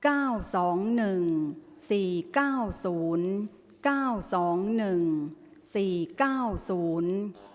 ออกรางวัลที่๖